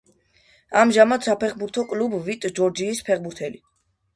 ამჟამად საფეხბურთო კლუბ „ვიტ ჯორჯიის“ ფეხბურთელი.